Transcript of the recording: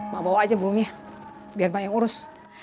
mak bawa aja burungnya biar mak yang urus